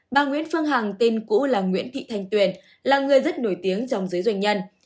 bà nguyễn phương hằng tên cũ là nguyễn thị thanh tuyền là người rất nổi tiếng trong giới doanh nhân